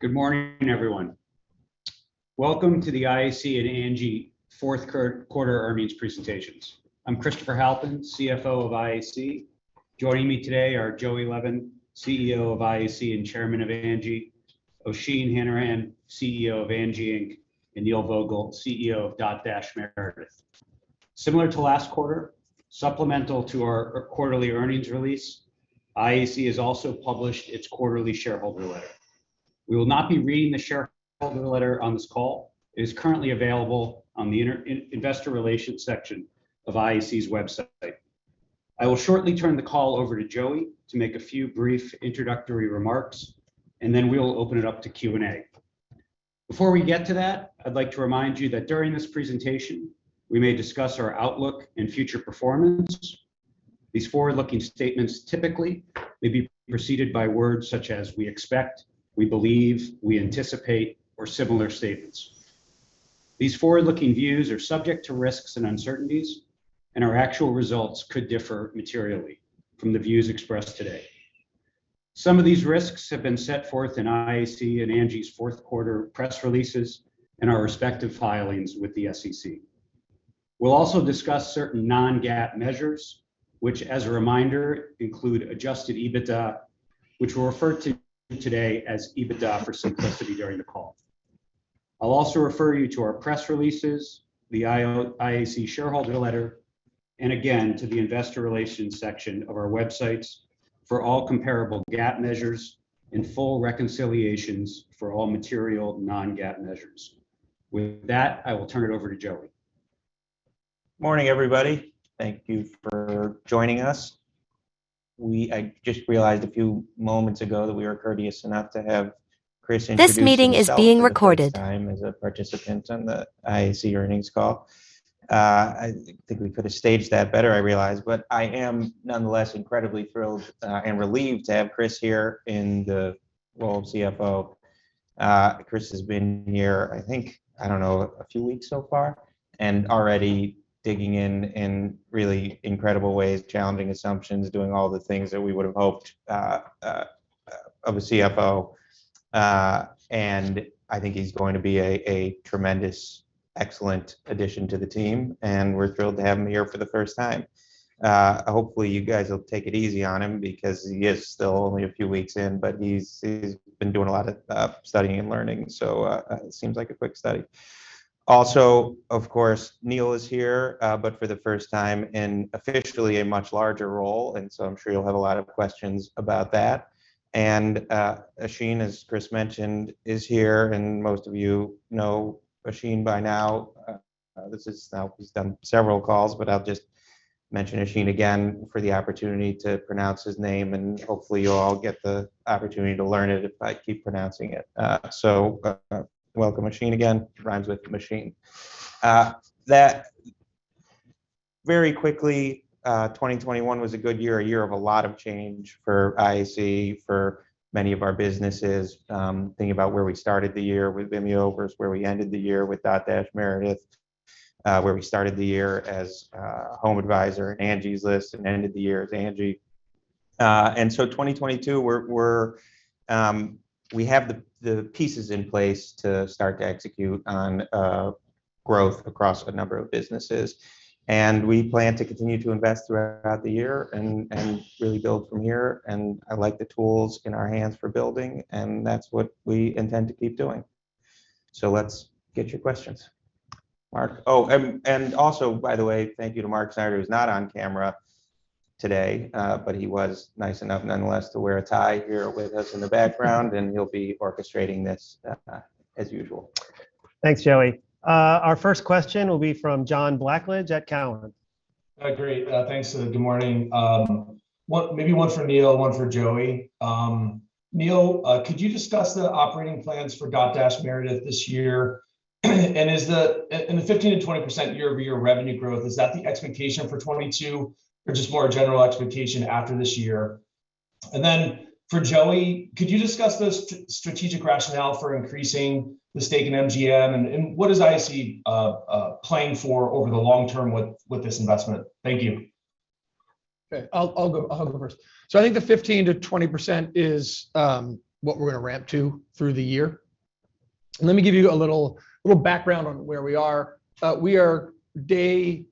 Good morning, everyone. Welcome to the IAC and Angi fourth quarter earnings presentations. I'm Christopher Halpin, CFO of IAC. Joining me today are Joey Levin, CEO of IAC and Chairman of Angi, Oisin Hanrahan, CEO of Angi Inc., and Neil Vogel, CEO of Dotdash Meredith. Similar to last quarter, supplemental to our quarterly earnings release, IAC has also published its quarterly shareholder letter. We will not be reading the shareholder letter on this call. It is currently available on the investor relations section of IAC's website. I will shortly turn the call over to Joey to make a few brief introductory remarks, and then we will open it up to Q&A. Before we get to that, I'd like to remind you that during this presentation we may discuss our outlook and future performance. These forward-looking statements typically may be preceded by words such as we expect, we believe, we anticipate, or similar statements. These forward-looking views are subject to risks and uncertainties, and our actual results could differ materially from the views expressed today. Some of these risks have been set forth in IAC and Angi's fourth quarter press releases and our respective filings with the SEC. We'll also discuss certain non-GAAP measures, which, as a reminder, include adjusted EBITDA, which we'll refer to today as EBITDA for simplicity during the call. I'll also refer you to our press releases, the IAC shareholder letter, and again to the investor relations section of our websites for all comparable GAAP measures and full reconciliations for all material non-GAAP measures. With that, I will turn it over to Joey. Morning, everybody. Thank you for joining us. I just realized a few moments ago that we were courteous enough to have Chris introduce himself for the first time as a participant on the IAC earnings call. I think we could have staged that better, I realize. I am nonetheless incredibly thrilled and relieved to have Chris here in the role of CFO. Chris has been here, I think, I don't know, a few weeks so far, and already digging in in really incredible ways, challenging assumptions, doing all the things that we would have hoped of a CFO. I think he's going to be a tremendous, excellent addition to the team, and we're thrilled to have him here for the first time. Hopefully you guys will take it easy on him because he is still only a few weeks in, but he's been doing a lot of studying and learning, so seems like a quick study. Also, of course, Neil is here, but for the first time in officially a much larger role, and so I'm sure he'll have a lot of questions about that. Oisin, as Chris mentioned, is here, and most of you know Oisin by now. Now he's done several calls, but I'll just mention Oisin again for the opportunity to pronounce his name, and hopefully you'll all get the opportunity to learn it if I keep pronouncing it. Welcome Oisin again. Rhymes with machine. Very quickly, 2021 was a good year, a year of a lot of change for IAC, for many of our businesses. Thinking about where we started the year with Vimeo versus where we ended the year with Dotdash Meredith, where we started the year as HomeAdvisor, Angie's List, and ended the year as Angi. 2022, we have the pieces in place to start to execute on growth across a number of businesses. We plan to continue to invest throughout the year and really build from here. I like the tools in our hands for building, and that's what we intend to keep doing. Let's get your questions. Mark. Oh, also by the way, thank you to Mark Schneider, who's not on camera today. He was nice enough nonetheless to wear a tie here with us in the background, and he'll be orchestrating this as usual. Thanks, Joey. Our first question will be from John Blackledge at Cowen. Great. Thanks. Good morning. One for Neil, one for Joey. Neil, could you discuss the operating plans for Dotdash Meredith this year? Is the 15%-20% year-over-year revenue growth the expectation for 2022 or just a general expectation after this year? For Joey, could you discuss the strategic rationale for increasing the stake in MGM and what does IAC plan for over the long term with this investment? Thank you. I'll go first. I think the 15%-20% is what we're gonna ramp to through the year. Let me give you a little background on where we are. We are day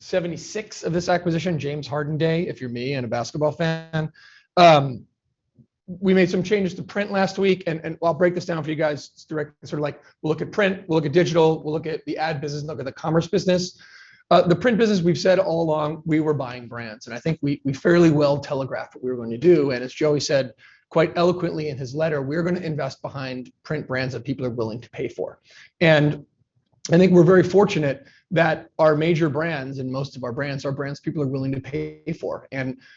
76 of this acquisition, James Harden Day, if you're me and a basketball fan. We made some changes to print last week, and I'll break this down for you guys direct. Sort of like we'll look at print, we'll look at digital, we'll look at the ad business and look at the commerce business. The print business we've said all along we were buying brands, and I think we fairly well telegraphed what we were going to do. As Joey said quite eloquently in his letter, we're gonna invest behind print brands that people are willing to pay for. I think we're very fortunate that our major brands and most of our brands are brands people are willing to pay for.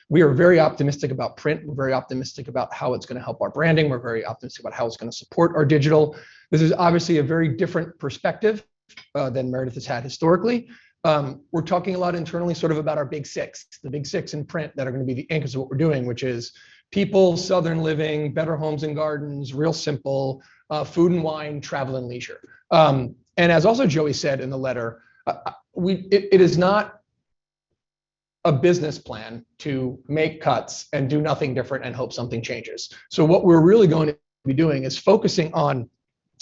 We are very optimistic about print. We're very optimistic about how it's gonna help our branding. We're very optimistic about how it's gonna support our digital. This is obviously a very different perspective than Meredith has had historically. We're talking a lot internally sort of about our big six, the big six in print that are gonna be the anchors of what we're doing, which is People, Southern Living, Better Homes & Gardens, Real Simple, Food & Wine, Travel + Leisure. As also Joey said in the letter, it is not A business plan to make cuts and do nothing different and hope something changes. What we're really going to be doing is focusing on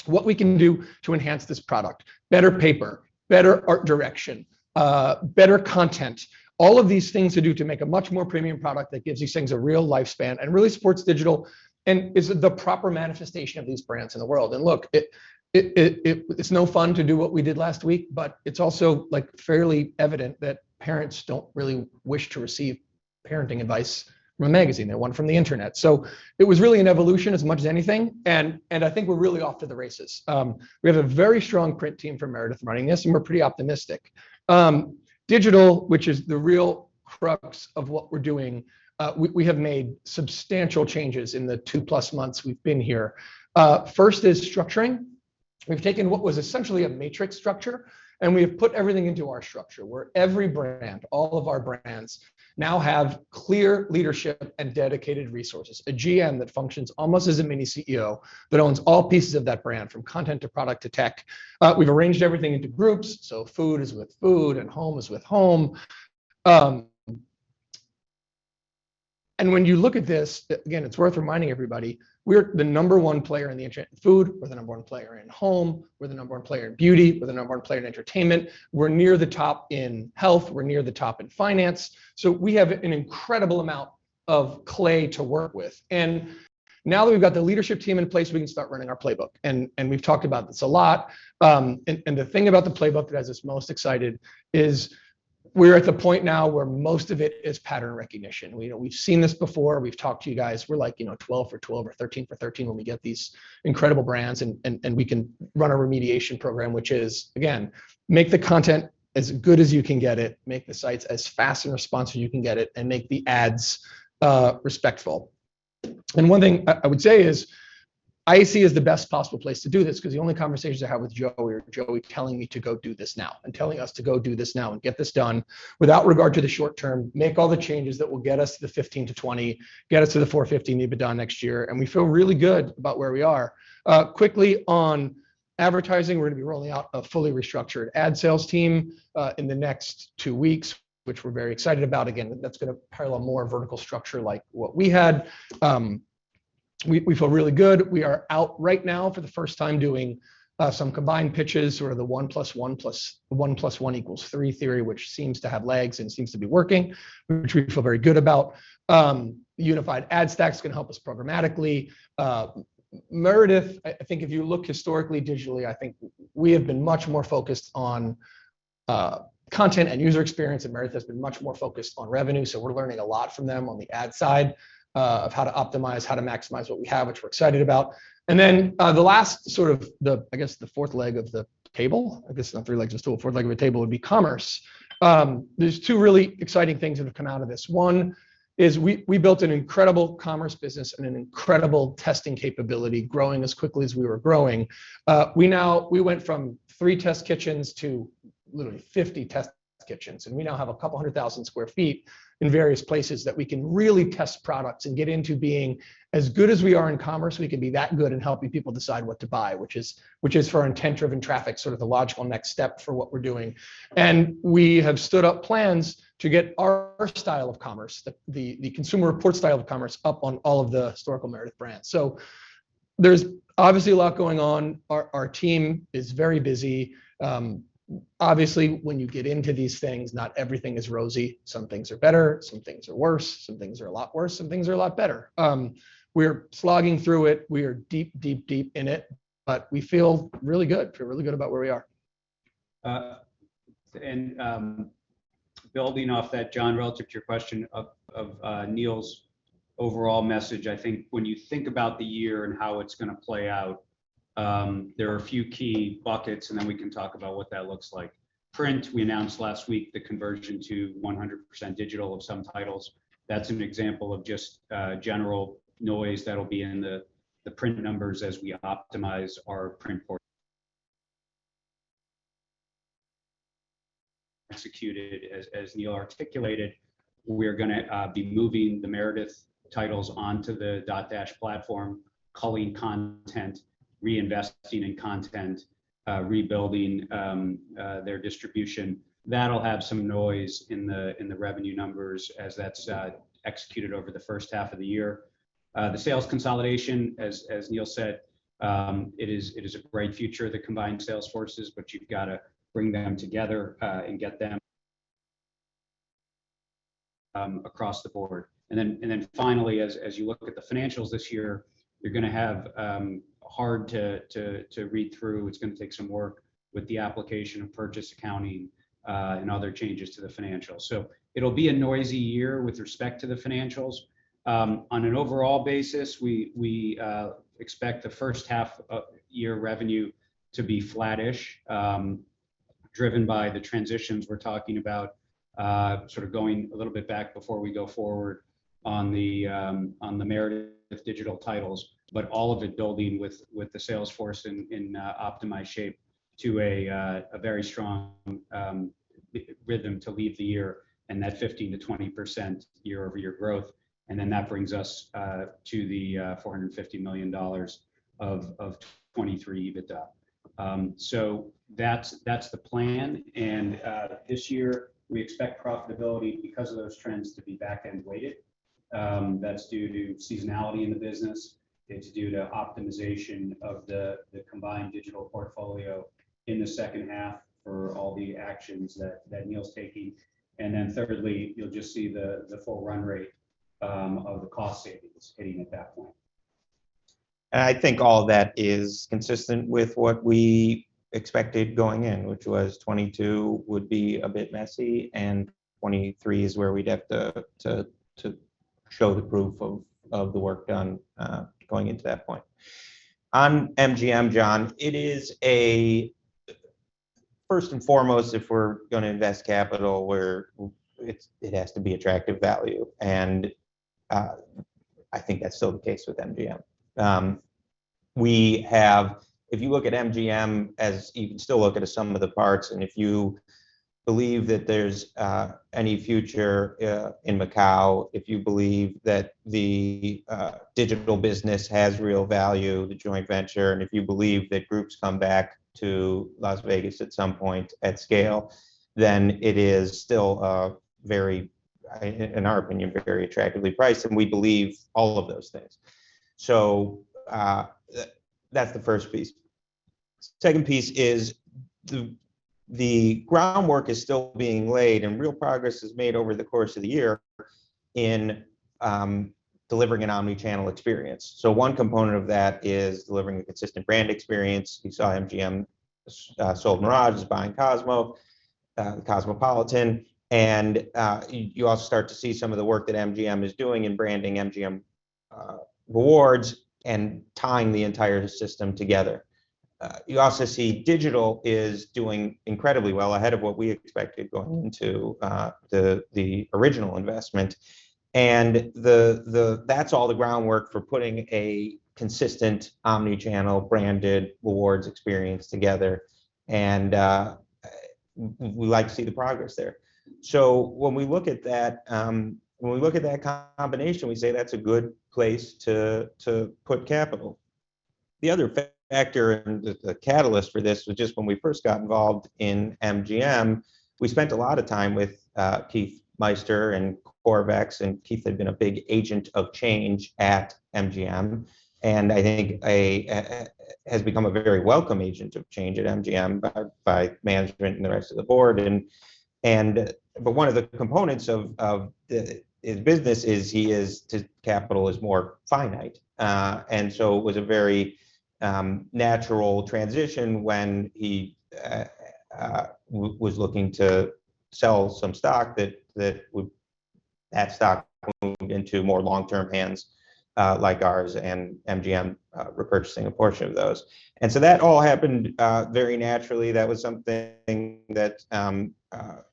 what we can do to enhance this product, better paper, better art direction, better content, all of these things to do to make a much more premium product that gives these things a real lifespan and really supports digital and is the proper manifestation of these brands in the world. Look, it's no fun to do what we did last week, but it's also like fairly evident that parents don't really wish to receive parenting advice from a magazine. They want it from the internet. It was really an evolution as much as anything, and I think we're really off to the races. We have a very strong print team from Meredith running this, and we're pretty optimistic. Digital, which is the real crux of what we're doing, we have made substantial changes in the two-plus months we've been here. First is structuring. We've taken what was essentially a matrix structure, and we have put everything into our structure, where every brand, all of our brands now have clear leadership and dedicated resources, a GM that functions almost as a mini CEO but owns all pieces of that brand from content to product to tech. We've arranged everything into groups. Food is with food, and home is with home. When you look at this, again, it's worth reminding everybody, we're the number one player in the food. We're the number one player in home. We're the number one player in beauty. We're the number one player in entertainment. We're near the top in health. We're near the top in finance. We have an incredible amount of clay to work with. Now that we've got the leadership team in place, we can start running our playbook, and we've talked about this a lot. The thing about the playbook that has us most excited is we're at the point now where most of it is pattern recognition. We know we've seen this before. We've talked to you guys. We're like, you know, 12 for 12 or 13 for 13 when we get these incredible brands and we can run a remediation program which is again make the content as good as you can get it, make the sites as fast and responsive as you can get it, and make the ads respectful. One thing I would say is I see as the best possible place to do this because the only conversations I have with Joey are Joey telling me to go do this now and telling us to go do this now and get this done without regard to the short term, make all the changes that will get us to the 15%-20%, get us to the $450 EBITDA next year, and we feel really good about where we are. Quickly on advertising, we're gonna be rolling out a fully restructured ad sales team in the next two weeks, which we're very excited about. Again, that's gonna parallel more vertical structure like what we had. We feel really good. We are out right now for the first time doing some combined pitches, sort of the 1+1+1=3 theory, which seems to have legs and seems to be working, which we feel very good about. Unified ad stacks can help us programmatically. Meredith, I think if you look historically digitally, I think we have been much more focused on content and user experience, and Meredith has been much more focused on revenue. We're learning a lot from them on the ad side of how to optimize, how to maximize what we have, which we're excited about. Then the last, I guess, the fourth leg of the table, I guess, not three legs of stool, fourth leg of a table would be commerce. There's two really exciting things that have come out of this. One is we built an incredible commerce business and an incredible testing capability growing as quickly as we were growing. We went from three test kitchens to literally 50 test kitchens, and we now have 200,000 sq ft in various places that we can really test products and get into being as good as we are in commerce. We can be that good in helping people decide what to buy, which is for our intent-driven traffic, sort of the logical next step for what we're doing. We have stood up plans to get our style of commerce, the Consumer Reports style of commerce, up on all of the historical Meredith brands. There's obviously a lot going on. Our team is very busy. Obviously, when you get into these things, not everything is rosy. Some things are better. Some things are worse. Some things are a lot worse. Some things are a lot better. We're slogging through it. We are deep in it, but we feel really good about where we are. Building off that, John, relative to your question of Neil's overall message, I think when you think about the year and how it's gonna play out, there are a few key buckets, and then we can talk about what that looks like. Print, we announced last week the conversion to 100% digital of some titles. That's an example of just general noise that'll be in the print numbers as we optimize our print portfolio executed, as Neil articulated. We're gonna be moving the Meredith titles onto the Dotdash platform, culling content, reinvesting in content, rebuilding their distribution. That'll have some noise in the revenue numbers as that's executed over the first half of the year. The sales consolidation, as Neil said, it is a bright future, the combined sales forces, but you've got to bring them together and get them across the board. Finally, as you look at the financials this year, you're gonna have hard to read through. It's gonna take some work with the application of purchase accounting and other changes to the financials. It'll be a noisy year with respect to the financials. On an overall basis, we expect the first half of year revenue to be flattish, driven by the transitions we're talking about, sort of going a little bit back before we go forward on the Meredith digital titles. All of it building with the sales force in optimized shape to a very strong rhythm to lead the year and that 15%-20% year-over-year growth. That brings us to the $450 million of 2023 EBITDA. That's the plan. This year we expect profitability because of those trends to be back-end weighted. That's due to seasonality in the business. It's due to optimization of the combined digital portfolio in the second half for all the actions that Neil's taking. Then thirdly, you'll just see the full run rate of the cost savings hitting at that point. I think all that is consistent with what we expected going in, which was 2022 would be a bit messy, and 2023 is where we'd have to show the proof of the work done going into that point. On MGM, John, it is. First and foremost, if we're gonna invest capital where it has to be attractive value, and I think that's still the case with MGM. If you look at MGM as you still look at a sum of the parts, and if you believe that there's any future in Macau, if you believe that the digital business has real value, the joint venture, and if you believe that groups come back to Las Vegas at some point at scale, then it is still, in our opinion, very attractively priced, and we believe all of those things. That's the first piece. The second piece is the groundwork is still being laid, and real progress is made over the course of the year in delivering an omni-channel experience. One component of that is delivering a consistent brand experience. You saw MGM sold the Mirage. It's buying Cosmo, the Cosmopolitan. You also start to see some of the work that MGM is doing in branding MGM rewards and tying the entire system together. You also see Digital is doing incredibly well, ahead of what we expected going into the original investment. That's all the groundwork for putting a consistent omni-channel branded rewards experience together. We like to see the progress there. When we look at that combination, we say that's a good place to put capital. The other factor and the catalyst for this was just when we first got involved in MGM, we spent a lot of time with Keith Meister and Corvex. Keith had been a big agent of change at MGM, and I think he has become a very welcome agent of change at MGM by management and the rest of the board. One of the components of his business is his capital is more finite. It was a very natural transition when he was looking to sell some stock that stock moved into more long-term hands like ours and MGM repurchasing a portion of those. That all happened very naturally. That was something that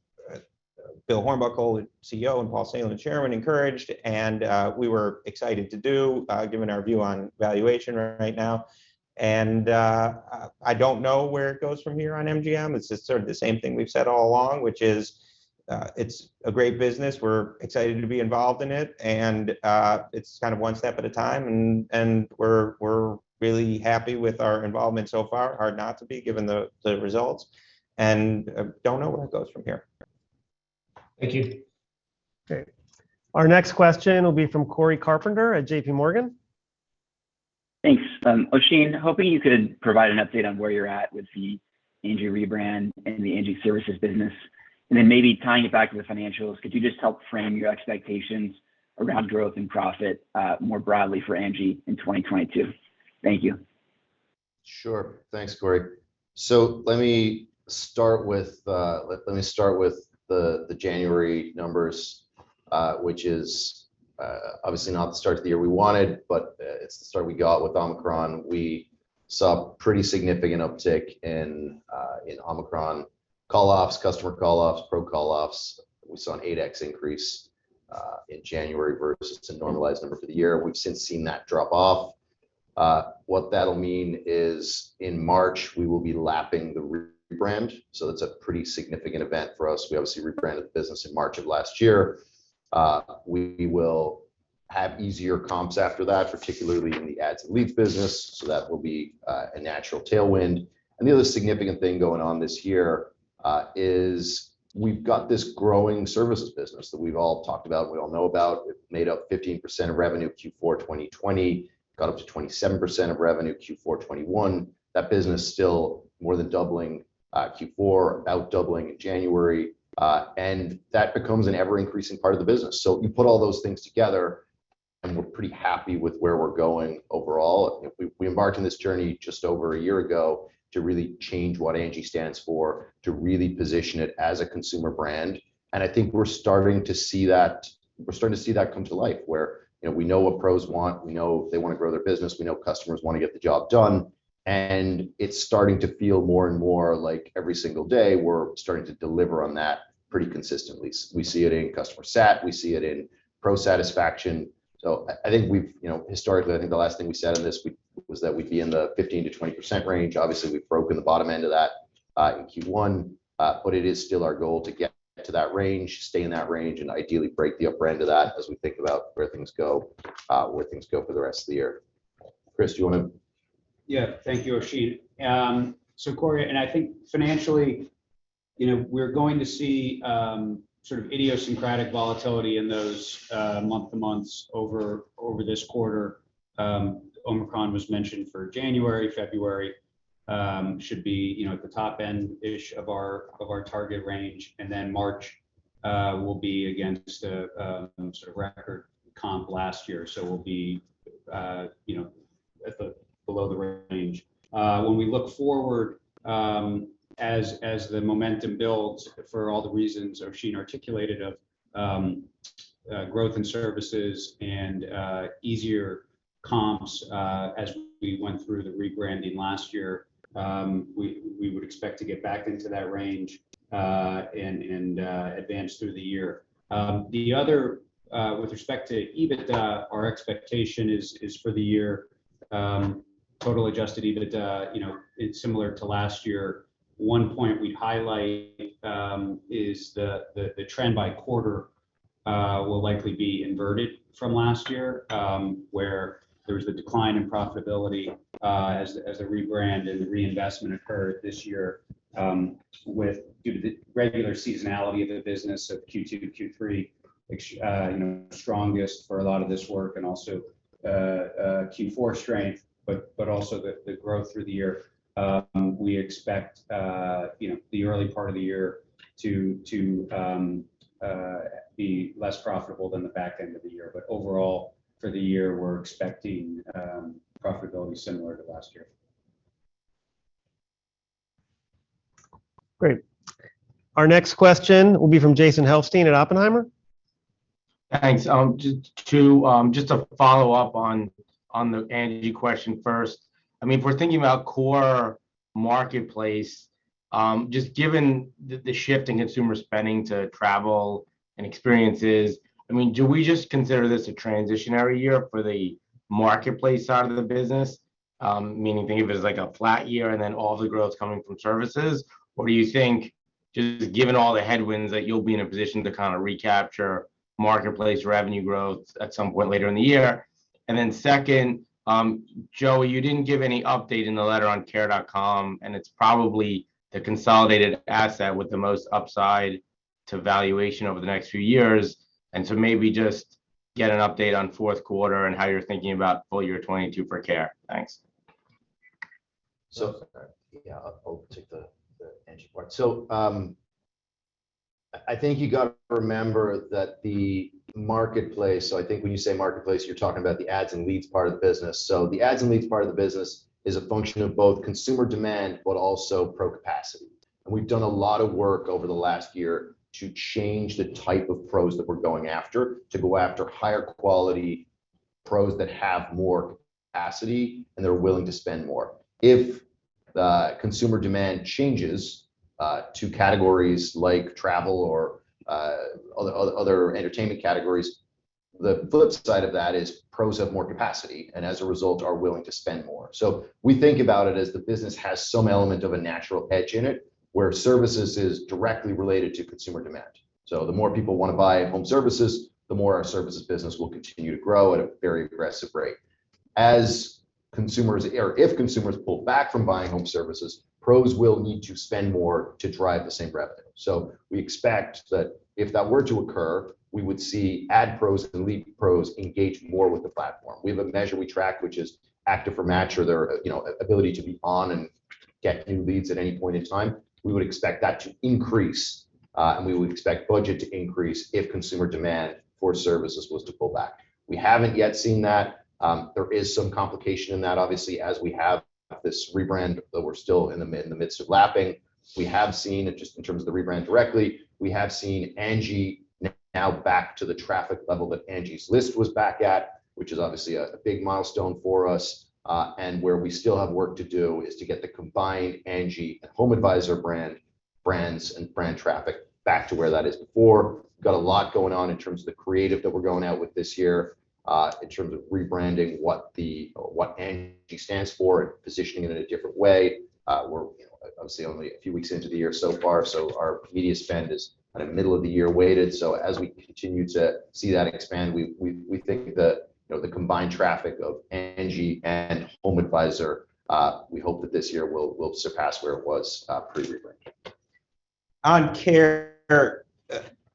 Bill Hornbuckle, CEO, and Paul Salem, Chairman, encouraged, and we were excited to do given our view on valuation right now. I don't know where it goes from here on MGM. It's just sort of the same thing we've said all along, which is, it's a great business. We're excited to be involved in it, and it's kind of one step at a time. We're really happy with our involvement so far. It's hard not to be, given the results, and I don't know where it goes from here. Thank you. Great. Our next question will be from Cory Carpenter at JPMorgan. Thanks. Oisin, hoping you could provide an update on where you're at with the Angi rebrand and the Angi Services business. Maybe tying it back to the financials, could you just help frame your expectations around growth and profit, more broadly for Angi in 2022? Thank you. Sure. Thanks, Cory. Let me start with the January numbers, which is obviously not the start to the year we wanted, but it's the start we got with Omicron. We saw a pretty significant uptick in Omicron call-offs, customer call-offs, pro call-offs. We saw an 8x increase in January versus the normalized number for the year. We've since seen that drop off. What that'll mean is in March, we will be lapping the rebrand, so that's a pretty significant event for us. We obviously rebranded the business in March of last year. We will have easier comps after that, particularly in the ads and leads business, so that will be a natural tailwind. The other significant thing going on this year is we've got this growing services business that we've all talked about and we all know about. It made up 15% of revenue Q4 2020. Got up to 27% of revenue Q4 2021. That business still more than doubling Q4, about doubling in January, and that becomes an ever-increasing part of the business. You put all those things together, and we're pretty happy with where we're going overall. We embarked on this journey just over a year ago to really change what Angi stands for, to really position it as a consumer brand, and I think we're starting to see that come to life, where, you know, we know what pros want. We know they want to grow their business. We know customers want to get the job done. It's starting to feel more and more like every single day we're starting to deliver on that pretty consistently. We see it in customer sat. We see it in pro satisfaction. I think we've. You know, historically, I think the last thing we said on this was that we'd be in the 15%-20% range. Obviously, we've broken the bottom end of that in Q1, but it is still our goal to get to that range, stay in that range, and ideally break the upper end of that as we think about where things go for the rest of the year. Chris, do you wanna Yeah, thank you, Oisin. Cory, I think financially, you know, we're going to see sort of idiosyncratic volatility in those month-to-months over this quarter. Omicron was mentioned for January. February should be, you know, at the top end-ish of our target range, and then March will be against a sort of record comp last year. We'll be, you know, below the range. When we look forward, as the momentum builds for all the reasons Oisin articulated of growth in services and easier comps, as we went through the rebranding last year, we would expect to get back into that range and advance through the year. The other, with respect to EBITDA, our expectation is for the year total adjusted EBITDA, you know, it's similar to last year. One point we'd highlight is the trend by quarter will likely be inverted from last year, where there was the decline in profitability as the rebrand and reinvestment occurred. This year, due to the regular seasonality of the business of Q2 to Q3, which you know strongest for a lot of this work and also Q4 strength, but also the growth through the year, we expect you know the early part of the year to be less profitable than the back end of the year. Overall, for the year, we're expecting profitability similar to last year. Great. Our next question will be from Jason Helfstein at Oppenheimer. Thanks. Just to follow up on the Angi question first. I mean, if we're thinking about core marketplace, just given the shift in consumer spending to travel and experiences, I mean, do we just consider this a transitory year for the marketplace side of the business? Meaning think of it as like a flat year, and then all of the growth coming from services. Or do you think just given all the headwinds that you'll be in a position to kinda recapture marketplace revenue growth at some point later in the year? Then second, Joey, you didn't give any update in the letter on Care.com, and it's probably the consolidated asset with the most upside to valuation over the next few years. Maybe just get an update on fourth quarter and how you're thinking about full year 2022 for Care. Thanks. Yeah, I'll take the Angi part. I think you gotta remember that the marketplace. When you say marketplace, you're talking about the ads and leads part of the business. The ads and leads part of the business is a function of both consumer demand, but also pro capacity. We've done a lot of work over the last year to change the type of pros that we're going after, to go after higher quality pros that have more capacity and they're willing to spend more. If the consumer demand changes to categories like travel or other entertainment categories, the flip side of that is pros have more capacity and as a result are willing to spend more. We think about it as the business has some element of a natural edge in it, where services is directly related to consumer demand. The more people wanna buy home services, the more our services business will continue to grow at a very aggressive rate. If consumers pull back from buying home services, pros will need to spend more to drive the same revenue. We expect that if that were to occur, we would see ads pros and leads pros engage more with the platform. We have a measure we track, which is active for match or their, you know, ability to be on and get new leads at any point in time. We would expect that to increase, and we would expect budget to increase if consumer demand for services was to pull back. We haven't yet seen that. There is some complication in that, obviously, as we have this rebrand that we're still in the midst of lapping. We have seen it just in terms of the rebrand directly. We have seen Angi now back to the traffic level that Angie's List was back at, which is obviously a big milestone for us, and where we still have work to do is to get the combined Angi and HomeAdvisor brands and brand traffic back to where that is before. Got a lot going on in terms of the creative that we're going out with this year, in terms of rebranding what Angi stands for and positioning it in a different way. We're, you know, obviously only a few weeks into the year so far, so our media spend is kind of middle of the year weighted. As we continue to see that expand, we think that, you know, the combined traffic of Angi and HomeAdvisor, we hope that this year will surpass where it was pre-rebrand. On Care,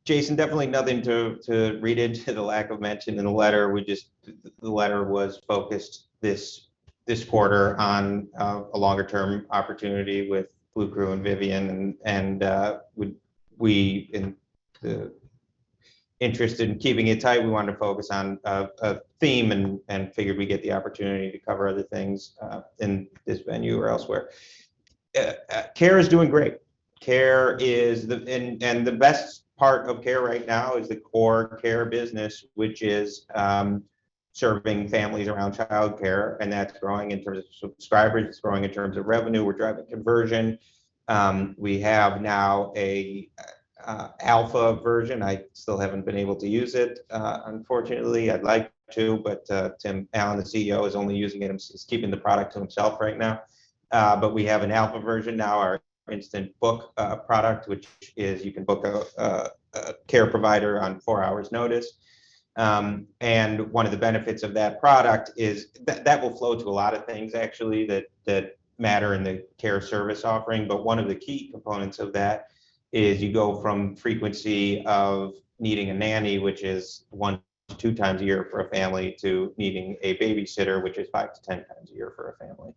Jason, definitely nothing to read into the lack of mention in the letter. We just. The letter was focused this quarter on a longer term opportunity with Bluecrew and Vivian and we, in the interest in keeping it tight, we wanted to focus on a theme and figured we'd get the opportunity to cover other things in this venue or elsewhere. Care is doing great. The best part of Care right now is the core Care business, which is serving families around childcare, and that's growing in terms of subscribers. It's growing in terms of revenue. We're driving conversion. We have now an alpha version. I still haven't been able to use it, unfortunately. I'd like to, but Tim Allen, the CEO, is only using it. He's keeping the product to himself right now. But we have an alpha version now, our instant book product, which is you can book a Care provider on four hours notice, and one of the benefits of that product is that that will flow to a lot of things actually that matter in the care service offering. One of the key components of that is you go from frequency of needing a nanny, which is one time to two times a year for a family, to needing a babysitter, which is five times to 10 times a year for a family.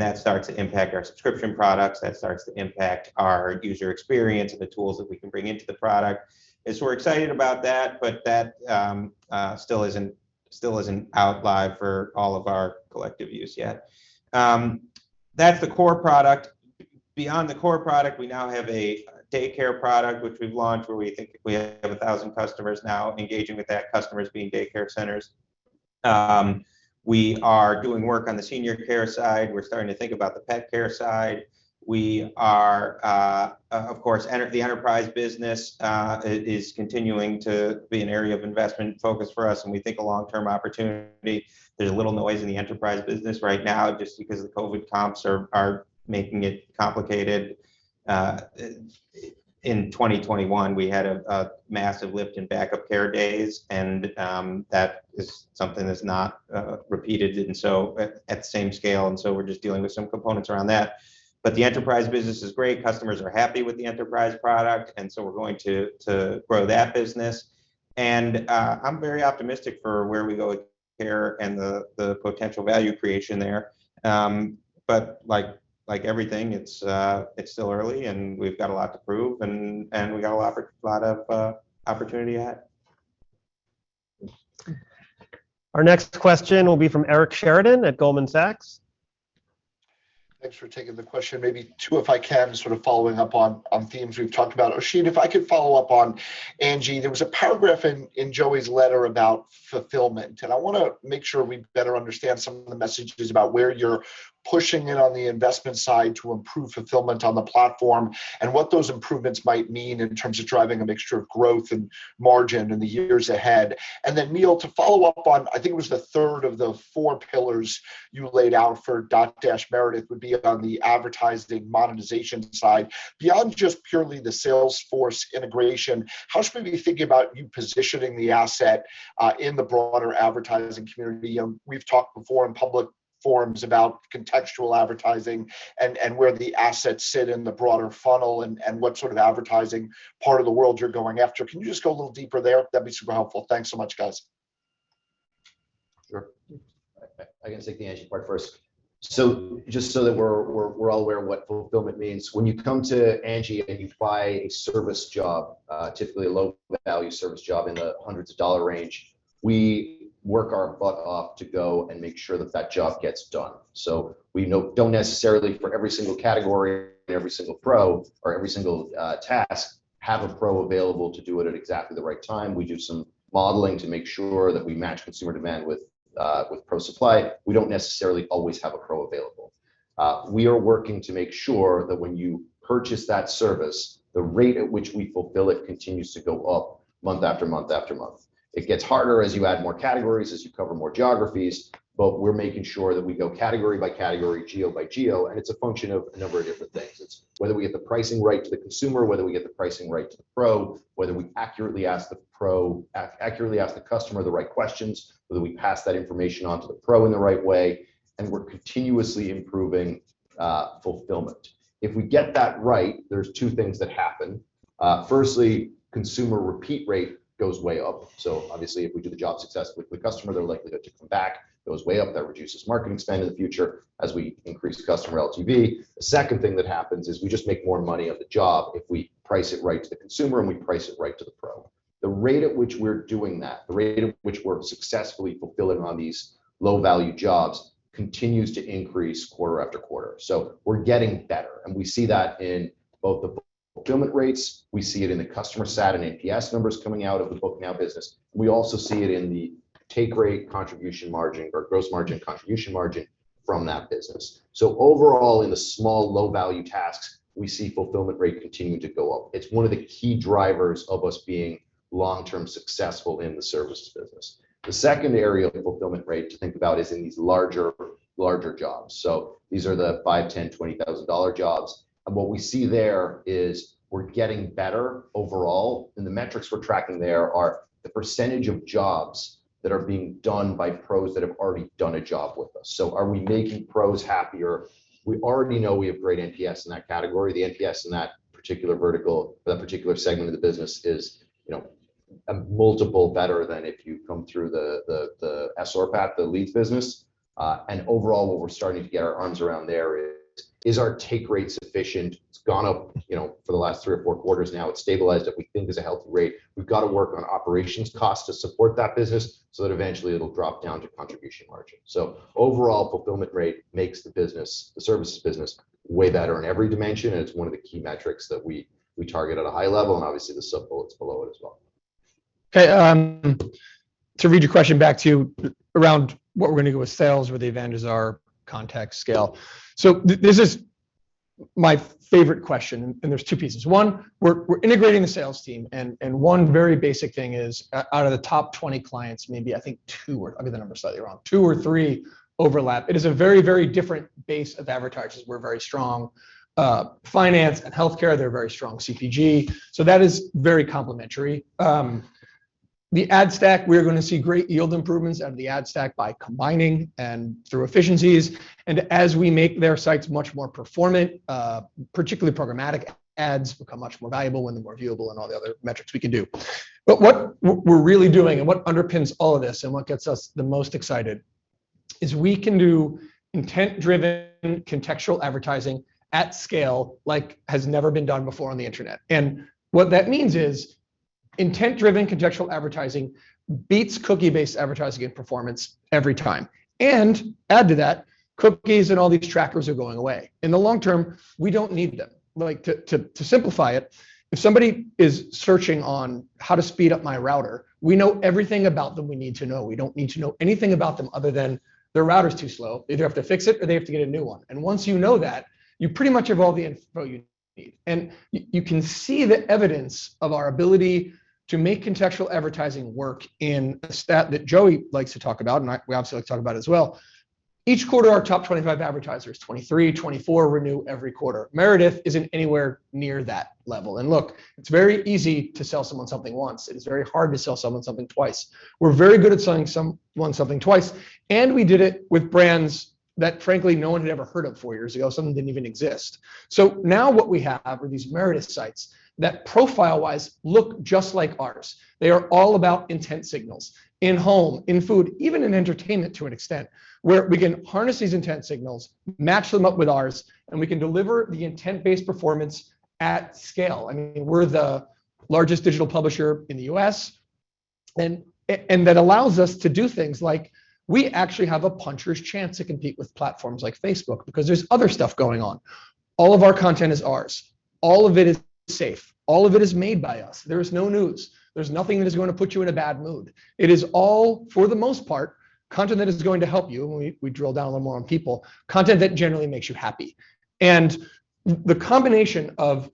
That starts to impact our subscription products, that starts to impact our user experience and the tools that we can bring into the product. We're excited about that, but that still isn't live for all of our collective use yet. That's the core product. Beyond the core product, we now have a daycare product, which we've launched, where we think we have 1,000 customers now engaging with that, customers being daycare centers. We are doing work on the senior care side. We're starting to think about the pet care side. We are, of course, the enterprise business is continuing to be an area of investment focus for us, and we think a long-term opportunity. There's a little noise in the enterprise business right now just because the COVID comps are making it complicated. In 2021, we had a massive lift in backup care days, and that is something that's not repeated and so at the same scale. We're just dealing with some components around that. The enterprise business is great. Customers are happy with the enterprise product, and so we're going to grow that business. I'm very optimistic for where we go with care and the potential value creation there. Like everything, it's still early, and we've got a lot to prove, and we got a lot of opportunity ahead. Our next question will be from Eric Sheridan at Goldman Sachs. Thanks for taking the question. Maybe two, if I can, sort of following up on themes we've talked about. Oisin, if I could follow up on Angi. There was a paragraph in Joey's letter about fulfillment, and I wanna make sure we better understand some of the messages about where you're pushing it on the investment side to improve fulfillment on the platform and what those improvements might mean in terms of driving a mixture of growth and margin in the years ahead. Neil, to follow up on, I think it was the third of the four pillars you laid out for Dotdash Meredith would be on the advertising monetization side. Beyond just purely the Salesforce integration, how should we be thinking about you positioning the asset in the broader advertising community? We've talked before in public forums about contextual advertising and where the assets sit in the broader funnel and what sort of advertising part of the world you're going after. Can you just go a little deeper there? That'd be super helpful. Thanks so much, guys. Sure. I can take the Angi part first. Just so that we're all aware of what fulfillment means, when you come to Angi and you buy a service job, typically a low-value service job in the $100s range, we work our butt off to go and make sure that that job gets done. We don't necessarily for every single category, every single pro or every single task, have a pro available to do it at exactly the right time. We do some modeling to make sure that we match consumer demand with pro supply. We don't necessarily always have a pro available. We are working to make sure that when you purchase that service, the rate at which we fulfill it continues to go up month after month after month. It gets harder as you add more categories, as you cover more geographies, but we're making sure that we go category-by-category, geo-by-geo, and it's a function of a number of different things. It's whether we get the pricing right to the consumer, whether we get the pricing right to the pro, whether we accurately ask the customer the right questions, whether we pass that information on to the pro in the right way, and we're continuously improving fulfillment. If we get that right, there's two things that happen. Firstly, consumer repeat rate goes way up. Obviously, if we do the job successfully with the customer, they're likely to come back. It goes way up. That reduces marketing spend in the future as we increase the customer LTV. The second thing that happens is we just make more money off the job if we price it right to the consumer and we price it right to the pro. The rate at which we're doing that, the rate at which we're successfully fulfilling on these low-value jobs continues to increase quarter-after-quarter. We're getting better, and we see that in both the fulfillment rates, we see it in the customer sat and APS numbers coming out of the Book Now business. We also see it in the take rate contribution margin or gross margin contribution margin from that business. Overall, in the small low-value tasks, we see fulfillment rate continuing to go up. It's one of the key drivers of us being long-term successful in the services business. The second area of fulfillment rate to think about is in these larger jobs. These are the $5,000, $10,000, $20,000 jobs. What we see there is we're getting better overall. The metrics we're tracking there are the percentage of jobs that are being done by pros that have already done a job with us. Are we making pros happier? We already know we have great NPS in that category. The NPS in that particular vertical, that particular segment of the business is a multiple better than if you come through the SR path, the leads business. Overall, what we're starting to get our arms around there is our take rate sufficient? It's gone up for the last three or four quarters now. It's stabilized at what we think is a healthy rate. We've got to work on operations costs to support that business so that eventually it'll drop down to contribution margin. Overall fulfillment rate makes the business, the services business way better in every dimension, and it's one of the key metrics that we target at a high level, and obviously the sub-bullets below it as well. To read your question back to you around what we're gonna go with sales, where the advantages are, content scale. This is my favorite question, and there's two pieces. One, we're integrating the sales team, and one very basic thing is out of the top 20 clients, maybe I think two, or I'll get the numbers slightly wrong, two or three overlap. It is a very different base of advertisers. We're very strong in finance and healthcare. They're very strong in CPG. So that is very complementary. The ad stack, we're gonna see great yield improvements out of the ad stack by combining and through efficiencies and as we make their sites much more performant, particularly programmatic ads become much more valuable when they're more viewable and all the other metrics we can do. What we're really doing and what underpins all of this and what gets us the most excited is we can do intent-driven contextual advertising at scale like has never been done before on the internet. What that means is intent-driven contextual advertising beats cookie-based advertising in performance every time. Add to that, cookies and all these trackers are going away. In the long term, we don't need them. Like, to simplify it, if somebody is searching on how to speed up my router, we know everything about them we need to know. We don't need to know anything about them other than their router's too slow. They either have to fix it or they have to get a new one. Once you know that, you pretty much have all the info you need. You can see the evidence of our ability to make contextual advertising work in a stat that Joey likes to talk about, and we obviously like to talk about it as well. Each quarter, our top 25 advertisers, 23, 24 renew every quarter. Meredith isn't anywhere near that level. Look, it's very easy to sell someone something once. It is very hard to sell someone something twice. We're very good at selling someone something twice, and we did it with brands that frankly no one had ever heard of four years ago, some didn't even exist. Now what we have are these Meredith sites that profile-wise look just like ours. They are all about intent signals in home, in food, even in entertainment to an extent, where we can harness these intent signals, match them up with ours, and we can deliver the intent-based performance at scale. I mean, we're the largest digital publisher in the U.S. and that allows us to do things like we actually have a puncher's chance to compete with platforms like Facebook because there's other stuff going on. All of our content is ours. All of it is safe. All of it is made by us. There is no news. There's nothing that is gonna put you in a bad mood. It is all, for the most part, content that is going to help you, when we drill down a little more on People, content that generally makes you happy. The combination of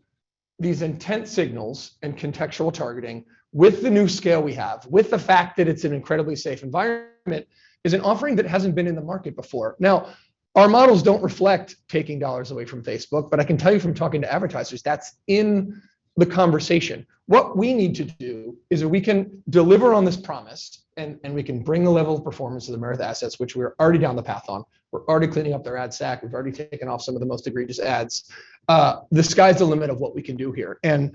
these intent signals and contextual targeting with the new scale we have, with the fact that it's an incredibly safe environment, is an offering that hasn't been in the market before. Now, our models don't reflect taking dollars away from Facebook, but I can tell you from talking to advertisers, that's in the conversation. What we need to do is if we can deliver on this promise and we can bring a level of performance to the Meredith assets, which we're already down the path on, we're already cleaning up their ad stack, we've already taken off some of the most egregious ads, the sky's the limit of what we can do here. To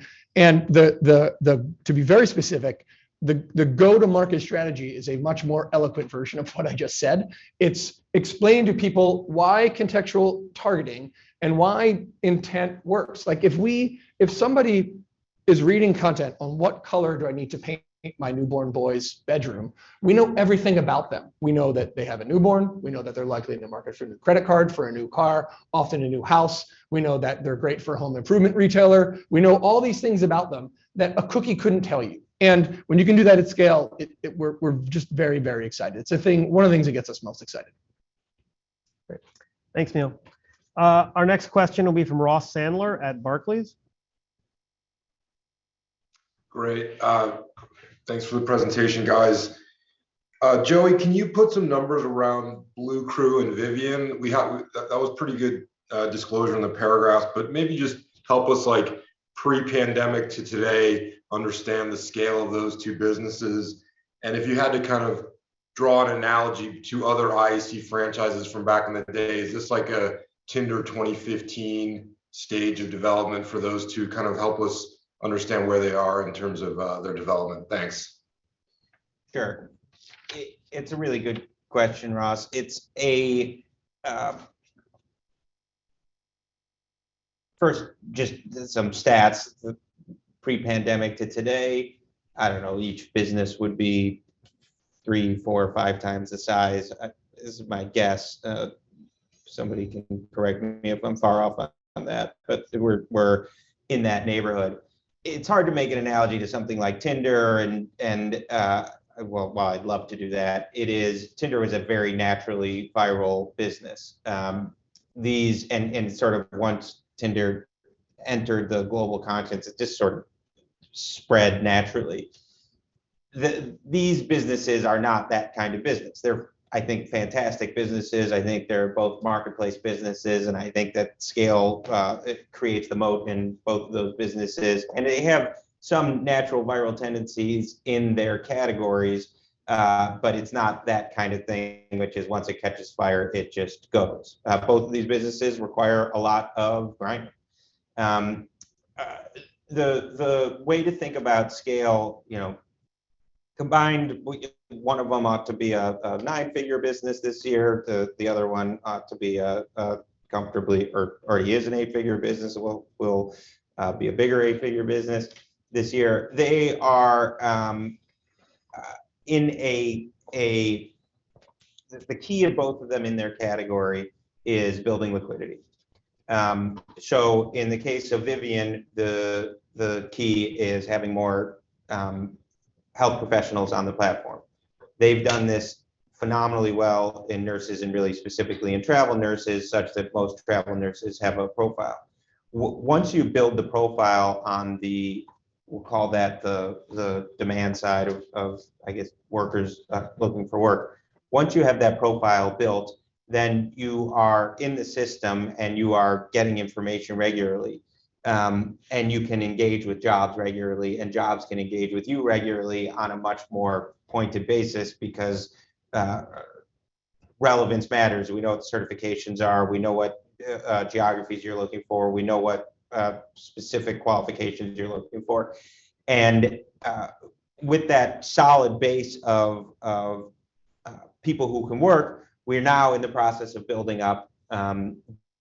be very specific, the go-to-market strategy is a much more eloquent version of what I just said. It explains to people why contextual targeting and why intent works. Like, if somebody is reading content on what color do I need to paint my newborn boy's bedroom, we know everything about them. We know that they have a newborn, we know that they're likely in the market for a new credit card, for a new car, often a new house. We know that they're great for a home improvement retailer. We know all these things about them that a cookie couldn't tell you. When you can do that at scale, we're just very, very excited. It's one of the things that gets us most excited. Great. Thanks, Neil. Our next question will be from Ross Sandler at Barclays. Great. Thanks for the presentation, guys. Joey, can you put some numbers around Bluecrew and Vivian? Well, that was pretty good disclosure on the paragraph, but maybe just help us like pre-pandemic to today understand the scale of those two businesses, and if you had to kind of draw an analogy to other IAC franchises from back in the day, is this like a Tinder 2015 stage of development for those two? Kind of help us understand where they are in terms of their development. Thanks. Sure. It's a really good question, Ross. It's a... First, just some stats. Pre-pandemic to today, I don't know, each business would be three, four or five times the size. This is my guess. Somebody can correct me if I'm far off on that, but we're in that neighborhood. It's hard to make an analogy to something like Tinder and well, while I'd love to do that, it is. Tinder was a very naturally viral business. Once Tinder entered the global consciousness, it just sort of spread naturally. These businesses are not that kind of business. They're, I think, fantastic businesses, I think they're both marketplace businesses, and I think that scale, it creates the moat in both of those businesses. They have some natural viral tendencies in their categories, but it's not that kind of thing, which is once it catches fire, it just goes. Both of these businesses require a lot, right, the way to think about scale, you know, one of them ought to be a nine-figure business this year. The other one ought to be comfortably or is an eight-figure business will be a bigger eight-figure business this year. The key of both of them in their category is building liquidity. So in the case of Vivian, the key is having more health professionals on the platform. They've done this phenomenally well in nurses and really specifically in travel nurses, such that most travel nurses have a profile. Once you build the profile on the, we'll call that the demand side of, I guess, workers looking for work, once you have that profile built, then you are in the system and you are getting information regularly. You can engage with jobs regularly, and jobs can engage with you regularly on a much more pointed basis because relevance matters. We know what the certifications are, we know what geographies you're looking for, we know what specific qualifications you're looking for. With that solid base of people who can work, we're now in the process of building up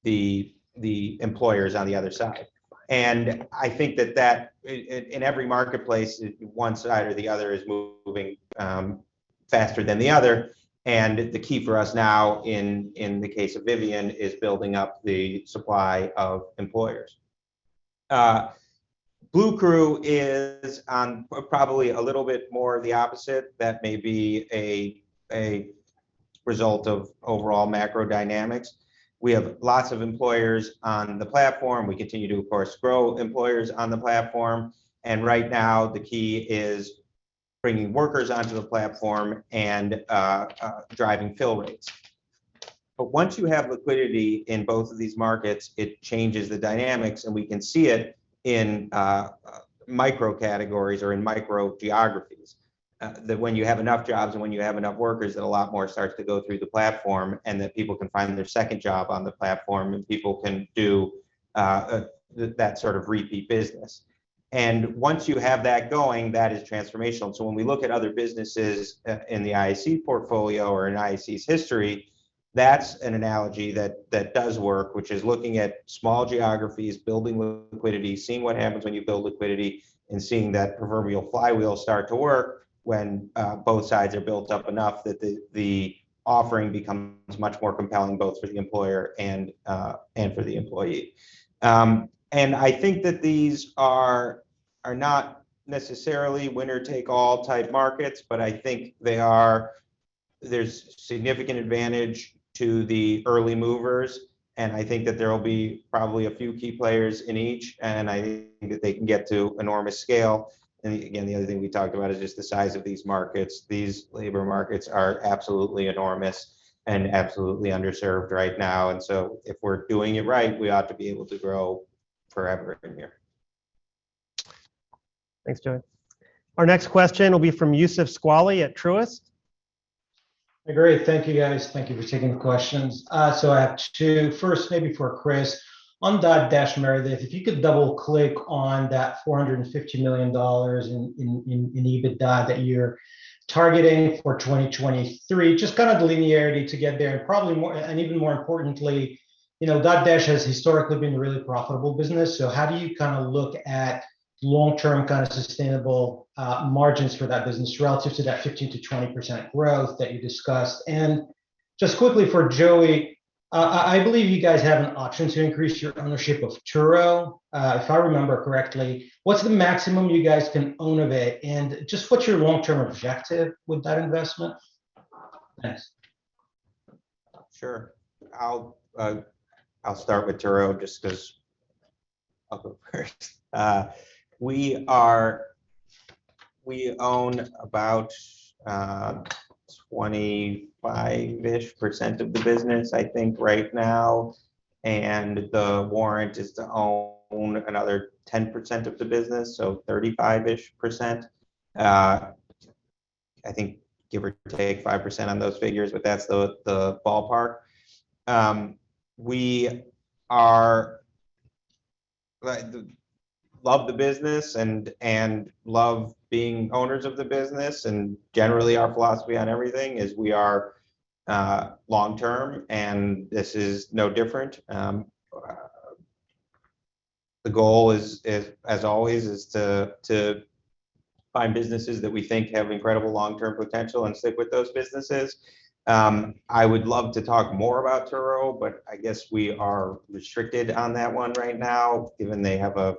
the employers on the other side. I think that in every marketplace, one side or the other is moving faster than the other. The key for us now in the case of Vivian is building up the supply of employers. Bluecrew is on probably a little bit more of the opposite. That may be a result of overall macro dynamics. We have lots of employers on the platform. We continue to, of course, grow employers on the platform. Right now, the key is bringing workers onto the platform and driving fill rates. Once you have liquidity in both of these markets, it changes the dynamics, and we can see it in micro categories or in micro geographies, that when you have enough jobs and when you have enough workers, that a lot more starts to go through the platform, and that people can find their second job on the platform, and people can do that sort of repeat business. Once you have that going, that is transformational. When we look at other businesses in the IAC portfolio or in IAC's history, that's an analogy that does work, which is looking at small geographies, building liquidity, seeing what happens when you build liquidity, and seeing that proverbial flywheel start to work when both sides are built up enough that the offering becomes much more compelling both for the employer and for the employee. I think that these are not necessarily winner-take-all type markets, but I think they are. There's significant advantage to the early movers, and I think that there will be probably a few key players in each, and I think that they can get to enormous scale. Again, the other thing we talked about is just the size of these markets. These labor markets are absolutely enormous and absolutely underserved right now. If we're doing it right, we ought to be able to grow forever in here. Thanks, Joey. Our next question will be from Youssef Squali at Truist. Great. Thank you, guys. Thank you for taking the questions. I have two. First, maybe for Chris. On Dotdash Meredith, if you could double-click on that $450 million in EBITDA that you're targeting for 2023. Just kind of the linearity to get there, and probably more, and even more importantly, you know, Dotdash has historically been a really profitable business. So how do you kinda look at long-term kind of sustainable margins for that business relative to that 15%-20% growth that you discussed? And just quickly for Joey, I believe you guys have an option to increase your ownership of Turo, if I remember correctly. What's the maximum you guys can own of it? And just what's your long-term objective with that investment? Thanks. Sure. I'll start with Turo, just 'cause I'll go first. We own about 25-ish% of the business, I think, right now, and the warrant is to own another 10% of the business, so 35-ish%. I think give or take 5% on those figures, but that's the ballpark. We love the business and love being owners of the business, and generally, our philosophy on everything is we are long-term, and this is no different. The goal is, as always, to find businesses that we think have incredible long-term potential and stick with those businesses. I would love to talk more about Turo, but I guess we are restricted on that one right now, given they have a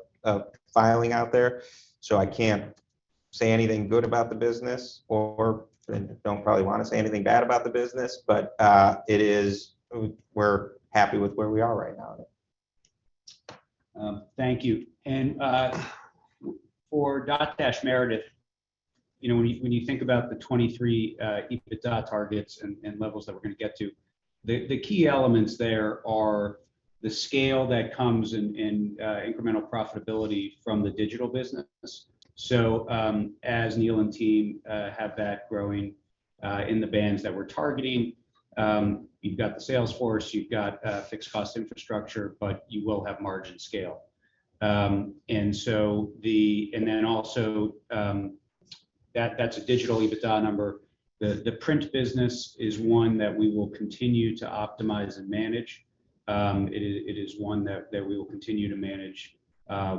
filing out there. I can't say anything good about the business and don't probably wanna say anything bad about the business. We're happy with where we are right now. Thank you. For Dotdash Meredith, you know, when you think about the 2023 EBITDA targets and levels that we're gonna get to, the key elements there are the scale that comes in incremental profitability from the digital business. As Neil and team have that growing in the bands that we're targeting, you've got the sales force, you've got fixed cost infrastructure, but you will have margin scale. And then also, that's a digital EBITDA number. The print business is one that we will continue to optimize and manage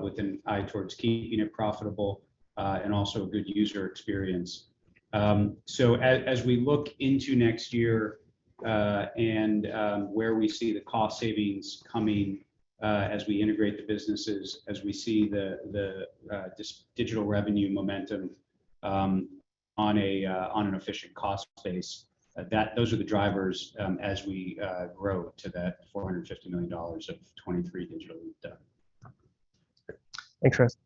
with an eye towards keeping it profitable and also a good user experience. As we look into next year and where we see the cost savings coming, as we integrate the businesses, as we see this digital revenue momentum on an efficient cost base, those are the drivers as we grow to that $450 million of 2023 digital EBITDA. Thanks, Chris.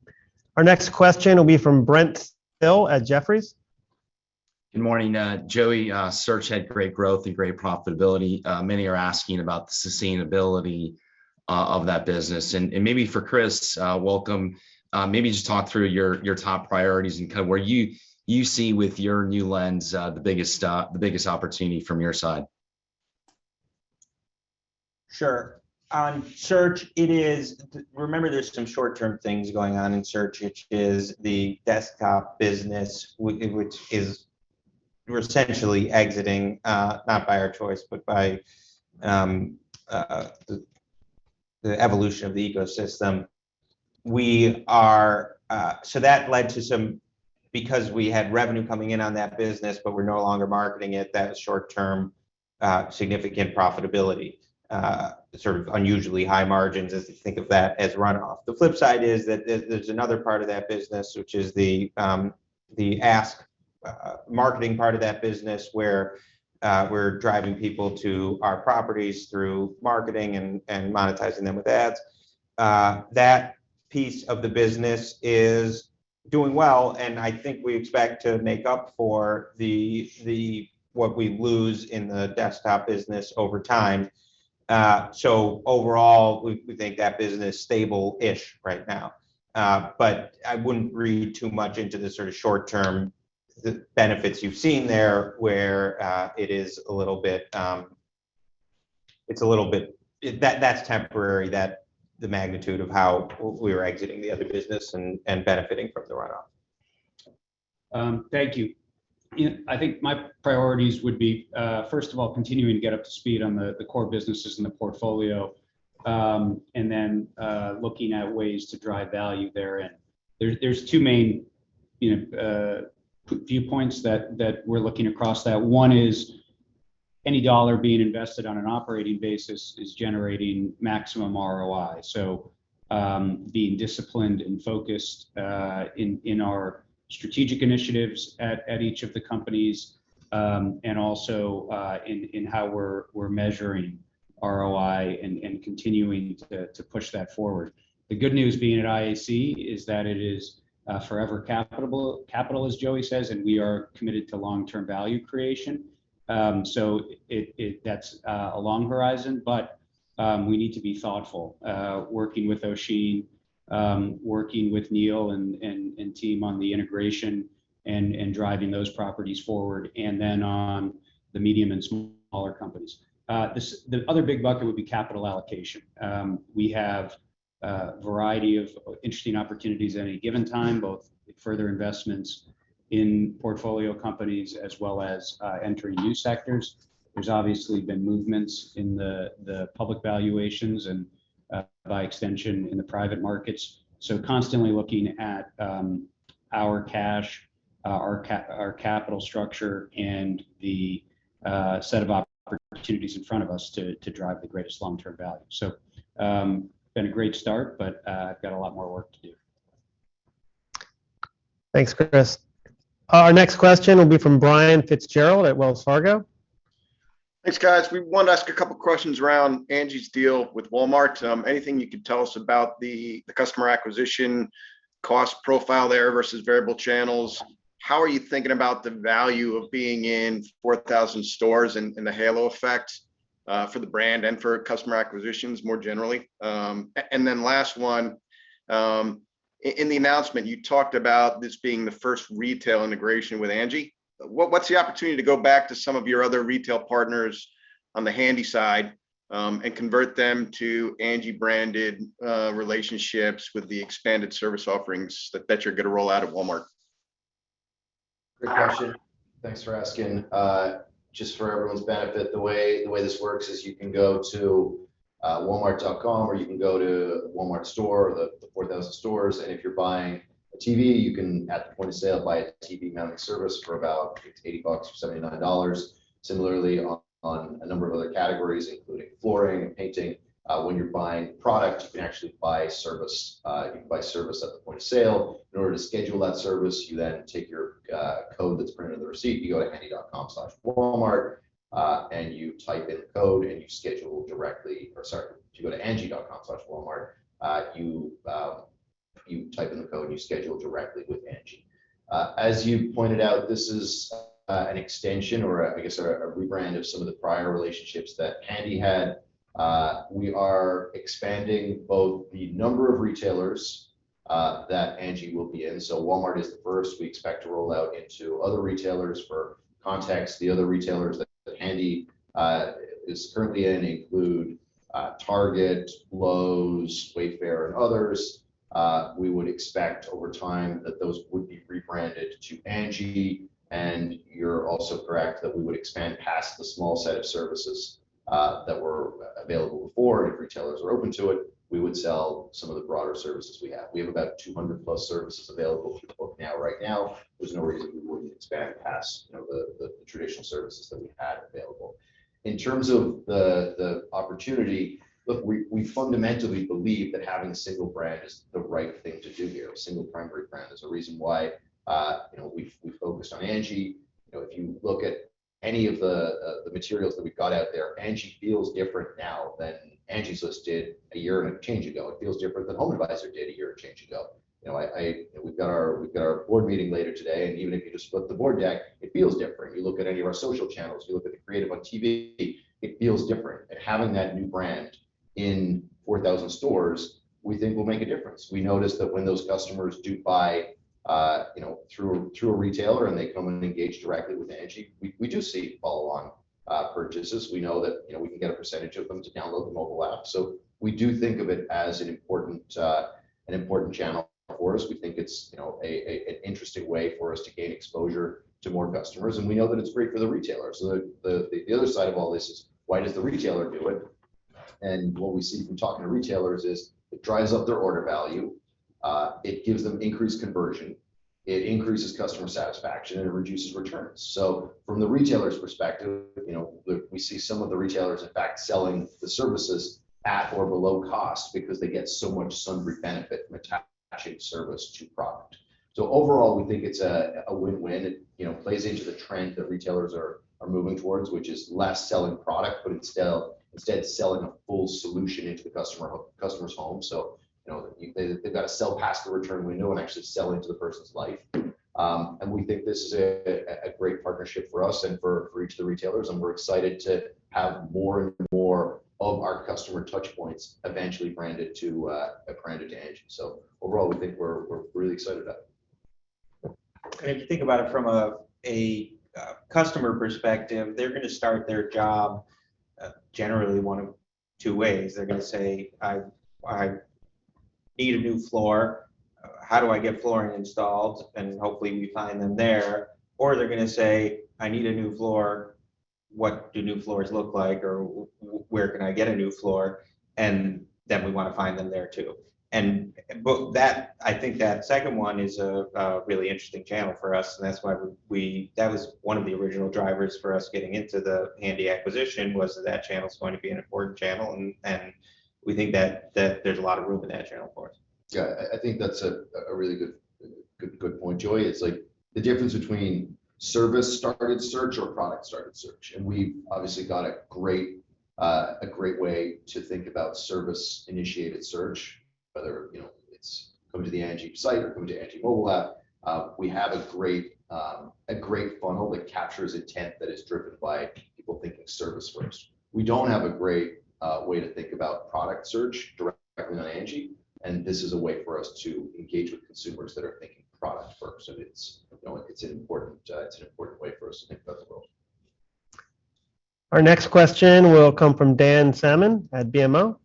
Our next question will be from Brent Thill at Jefferies. Good morning, Joey. Search had great growth and great profitability. Many are asking about the sustainability of that business. Maybe for Chris, welcome, maybe just talk through your top priorities and kind of where you see with your new lens the biggest opportunity from your side. Sure. On Search, it is. Remember there's some short-term things going on in Search, which is the desktop business which is we're essentially exiting, not by our choice, but by the evolution of the ecosystem. We are. So that led to some because we had revenue coming in on that business, but we're no longer marketing it, that short-term significant profitability sort of unusually high margins as we think of that as runoff. The flip side is that there's another part of that business, which is the ask marketing part of that business where we're driving people to our properties through marketing and monetizing them with ads. That piece of the business is doing well, and I think we expect to make up for what we lose in the desktop business over time. Overall, we think that business is stable-ish right now. I wouldn't read too much into the sort of short-term benefits you've seen there, where that's temporary that the magnitude of how we're exiting the other business and benefiting from the runoff. Thank you. You know, I think my priorities would be first of all continuing to get up to speed on the core businesses in the portfolio and then looking at ways to drive value there. There's two main you know viewpoints that we're looking across that. One is any dollar being invested on an operating basis is generating maximum ROI. Being disciplined and focused in our strategic initiatives at each of the companies and also in how we're measuring ROI and continuing to push that forward. The good news being at IAC is that it is forever capital as Joey says and we are committed to long-term value creation. That's a long horizon, but we need to be thoughtful, working with Oisin, working with Neil and team on the integration and driving those properties forward, and then on the medium and smaller companies. The other big bucket would be capital allocation. We have a variety of interesting opportunities at any given time, both further investments in portfolio companies as well as entering new sectors. There's obviously been movements in the public valuations and by extension in the private markets. Constantly looking at our cash, our capital structure and the set of opportunities in front of us to drive the greatest long-term value. It's been a great start, but I've got a lot more work to do. Thanks, Chris. Our next question will be from Brian Fitzgerald at Wells Fargo. Thanks, guys. We want to ask a couple questions around Angi's deal with Walmart. Anything you could tell us about the customer acquisition cost profile there versus variable channels? How are you thinking about the value of being in 4,000 stores and the halo effect for the brand and for customer acquisitions more generally? And then last one, in the announcement you talked about this being the first retail integration with Angi. What's the opportunity to go back to some of your other retail partners on the Handy side, and convert them to Angi-branded relationships with the expanded service offerings that you're gonna roll out at Walmart? Great question. Thanks for asking. Just for everyone's benefit, the way this works is you can go to walmart.com, or you can go to a Walmart store, the 4,000 stores, and if you're buying a TV, you can at the point of sale buy a TV mounting service for about I think it's $80 or $79. Similarly on a number of other categories, including flooring and painting, when you're buying product, you can actually buy service. You can buy service at the point of sale. In order to schedule that service, you then take your code that's printed on the receipt, you go to angi.com/walmart, and you type in the code, and you schedule directly with Angi. As you pointed out, this is an extension or I guess a rebrand of some of the prior relationships that Handy had. We are expanding both the number of retailers that Angi will be in. Walmart is the first. We expect to roll out into other retailers. For context, the other retailers that Handy is currently in include Target, Lowe's, Wayfair, and others. We would expect over time that those would be rebranded to Angi, and you're also correct that we would expand past the small set of services that were available before, and if retailers are open to it, we would sell some of the broader services we have. We have about 200+ services available through Book Now right now. There's no reason we wouldn't expand past, you know, the traditional services that we had available. In terms of the opportunity, look, we fundamentally believe that having a single brand is the right thing to do here. A single primary brand is the reason why, you know, we've focused on Angi. You know, if you look at any of the materials that we've got out there, Angi feels different now than Angie's List did a year and a change ago. It feels different than HomeAdvisor did a year and a change ago. You know, we've got our board meeting later today, and even if you just split the board deck, it feels different. You look at any of our social channels, you look at the creative on TV, it feels different. Having that new brand in 4,000 stores, we think will make a difference. We notice that when those customers do buy, you know, through a retailer and they come in and engage directly with Angi, we just see follow-along purchases. We know that, you know, we can get a percentage of them to download the mobile app. We do think of it as an important channel for us. We think it's, you know, an interesting way for us to gain exposure to more customers, and we know that it's great for the retailer. The other side of all this is why does the retailer do it? What we see from talking to retailers is it drives up their order value, it gives them increased conversion, it increases customer satisfaction, and it reduces returns. From the retailer's perspective, you know, we see some of the retailers, in fact, selling the services at or below cost because they get so much synergy benefit from attaching service to product. Overall, we think it's a win-win. It, you know, plays into the trend that retailers are moving towards, which is less selling product, but instead selling a full solution into the customer's home. You know, they've got to sell past the return window and actually sell into the person's life. We think this is a great partnership for us and for each of the retailers, and we're excited to have more and more of our customer touch points eventually branded to a branded Angi. Overall, we think we're really excited about it. If you think about it from a customer perspective, they're gonna start their job generally one of two ways. They're gonna say, I need a new floor. How do I get flooring installed? And hopefully we find them there. Or they're gonna say, I need a new floor. What do new floors look like? Or, Where can I get a new floor? And then we wanna find them there too. But that I think that second one is a really interesting channel for us, and that's why that was one of the original drivers for us getting into the Handy acquisition, was that that channel is going to be an important channel. And we think that there's a lot of room in that channel for us. Yeah. I think that's a really good point, Joey. It's like the difference between service-started search or product-started search. We've obviously got a great way to think about service-initiated search, whether you know, it's coming to the Angi site or coming to Angi mobile app, we have a great funnel that captures intent that is driven by people thinking service first. We don't have a great way to think about product search directly on Angi, and this is a way for us to engage with consumers that are thinking product first. It's you know, it's an important way for us to think about the world. Our next question will come from Dan Salmon at BMO.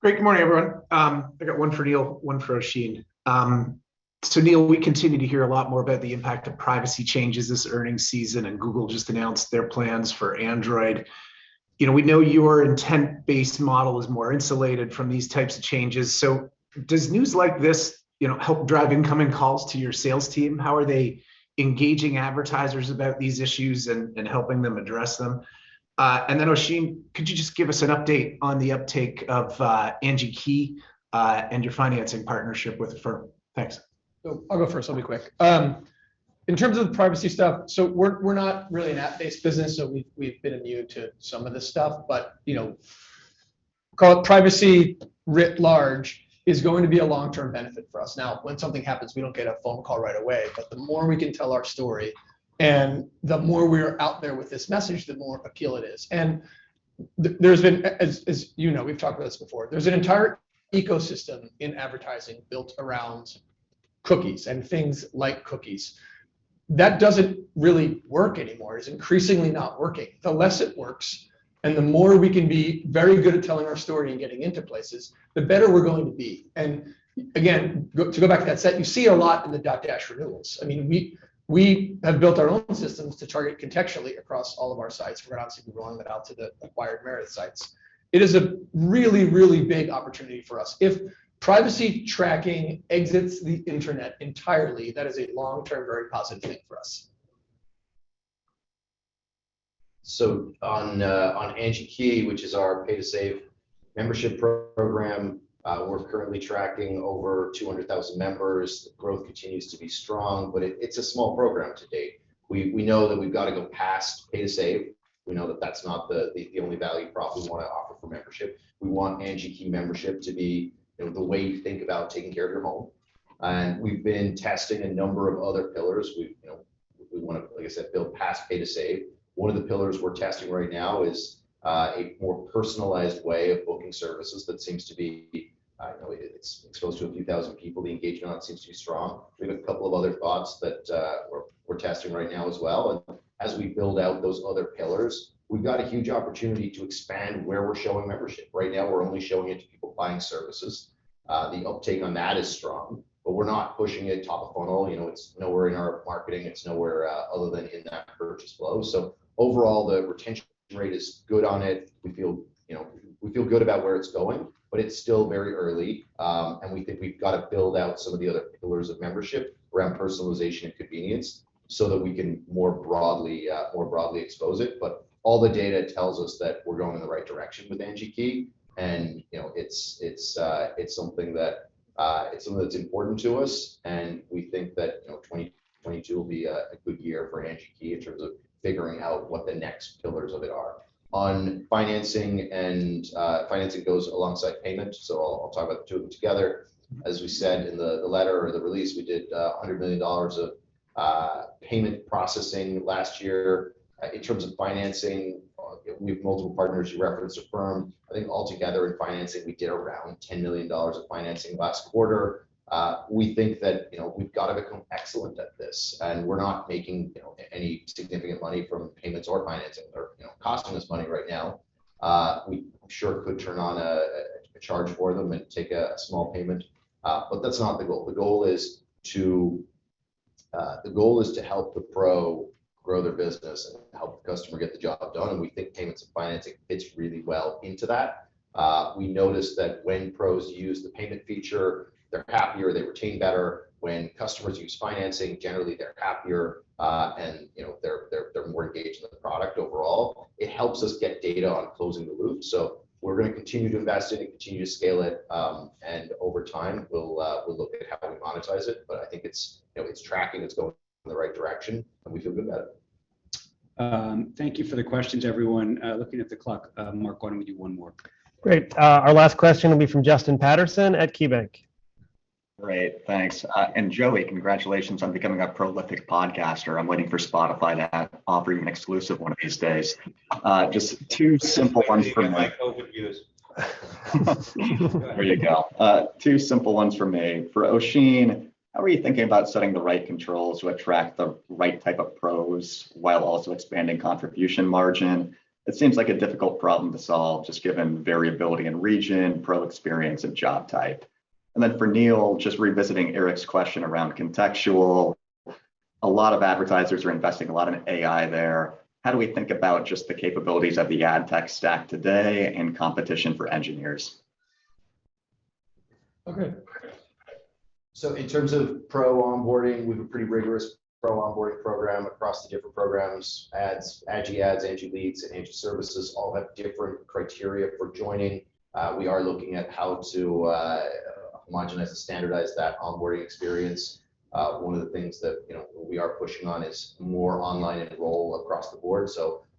Great. Good morning, everyone. I got one for Neil, one for Oisin. So Neil, we continue to hear a lot more about the impact of privacy changes this earnings season, and Google just announced their plans for Android. You know, we know your intent-based model is more insulated from these types of changes. So does news like this, you know, help drive incoming calls to your sales team? How are they engaging advertisers about these issues and helping them address them? And then Oisin, could you just give us an update on the uptake of Angi Key and your financing partnership with Affirm? Thanks. I'll go first. I'll be quick. In terms of the privacy stuff, we're not really an app-based business, so we've been immune to some of this stuff. You know, call it privacy writ large is going to be a long-term benefit for us. Now, when something happens, we don't get a phone call right away. The more we can tell our story and the more we're out there with this message, the more appeal it is. There's been, as you know, we've talked about this before, there's an entire ecosystem in advertising built around cookies and things like cookies. That doesn't really work anymore. It's increasingly not working. The less it works and the more we can be very good at telling our story and getting into places, the better we're going to be. Again, to go back to that set, you see a lot in the Dotdash renewals. I mean, we have built our own systems to target contextually across all of our sites. We're obviously rolling that out to the acquired Meredith sites. It is a really, really big opportunity for us. If privacy tracking exits the internet entirely, that is a long-term, very positive thing for us. On Angi Key, which is our pay-to-save membership program, we're currently tracking over 200,000 members. The growth continues to be strong, but it's a small program to date. We know that we've got to go past pay-to-save. We know that that's not the only value prop we want to offer for membership. We want Angi Key membership to be, you know, the way you think about taking care of your home. We've been testing a number of other pillars. You know, we want to, like I said, build past pay-to-save. One of the pillars we're testing right now is a more personalized way of booking services that seems to be, you know, it's exposed to a few thousand people. The engagement on it seems to be strong. We have a couple of other thoughts that we're testing right now as well. As we build out those other pillars, we've got a huge opportunity to expand where we're showing membership. Right now, we're only showing it to people buying services. The uptake on that is strong, but we're not pushing it top of funnel. You know, it's nowhere in our marketing. It's nowhere other than in that purchase flow. So overall, the retention rate is good on it. We feel good about where it's going, but it's still very early, and we think we've got to build out some of the other pillars of membership around personalization and convenience so that we can more broadly expose it. All the data tells us that we're going in the right direction with Angi Key. You know, it's something that's important to us, and we think that, you know, 2022 will be a good year for Angi Key in terms of figuring out what the next pillars of it are. On financing and financing goes alongside payment, so I'll talk about the two of them together. As we said in the letter or the release, we did $100 million of payment processing last year. In terms of financing, we have multiple partners who reference Affirm. I think altogether in financing, we did around $10 million of financing last quarter. We think that, you know, we've got to become excellent at this, and we're not making, you know, any significant money from payments or financing. They're, you know, costing us money right now. We sure could turn on a charge for them and take a small payment, but that's not the goal. The goal is to help the pro grow their business and help the customer get the job done, and we think payments and financing fits really well into that. We noticed that when pros use the payment feature, they're happier, they retain better. When customers use financing, generally they're happier, and, you know, they're more engaged with the product overall. It helps us get data on closing the loop. We're gonna continue to invest in it, continue to scale it, and over time, we'll look at how we monetize it. I think it's, you know, it's tracking, it's going in the right direction, and we feel good about it. Thank you for the questions, everyone. Looking at the clock, Mark, why don't we do one more? Great. Our last question will be from Justin Patterson at KeyBanc. Great. Thanks. Joey, congratulations on becoming a prolific podcaster. I'm waiting for Spotify to offer you an exclusive one of these days. Just two simple ones for me. overviews. There you go. Two simple ones from me. For Oisin, how are you thinking about setting the right controls to attract the right type of pros while also expanding contribution margin? It seems like a difficult problem to solve just given variability in region, pro experience, and job type. For Neil, just revisiting Eric's question around contextual. A lot of advertisers are investing a lot in AI there. How do we think about just the capabilities of the ad tech stack today and competition for engineers? Okay. In terms of pro onboarding, we have a pretty rigorous pro onboarding program across the different programs. Ads, Angi Ads, Angi Leads, and Angi Services all have different criteria for joining. We are looking at how to homogenize and standardize that onboarding experience. One of the things that, you know, we are pushing on is more online enroll across the board.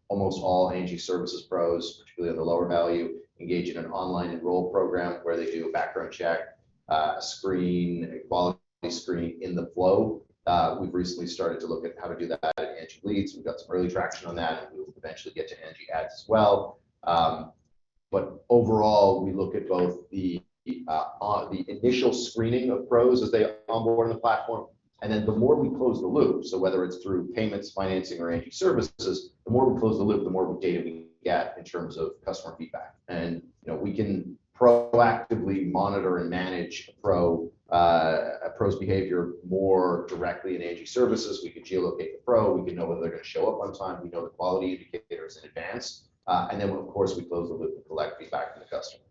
Almost all Angi Services pros, particularly on the lower value, engage in an online enroll program where they do a background check, a screen, a quality screen in the flow. We've recently started to look at how to do that at Angi Leads. We've got some early traction on that, and we'll eventually get to Angi Ads as well. But overall, we look at both the initial screening of pros as they onboard the platform. The more we close the loop, so whether it's through payments, financing, or Angi Services, the more we close the loop, the more data we get in terms of customer feedback. You know, we can proactively monitor and manage a pro's behavior more directly in Angi Services. We can geolocate the pro. We can know whether they're gonna show up on time. We know the quality indicators in advance. Then of course, we close the loop and collect feedback from the customer.